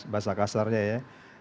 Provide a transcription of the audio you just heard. bahasa kasarnya ya